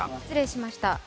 失礼しました。